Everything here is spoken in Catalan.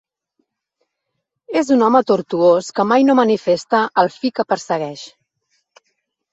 És un home tortuós que mai no manifesta el fi que persegueix.